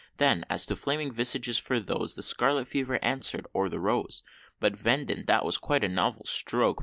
Then as to flaming visages, for those The Scarlet Fever answer'd, or the Rose But verdant! that was quite a novel stroke!